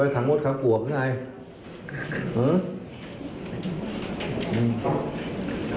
ไว้ขังมดขังกว่ากันไงฮะ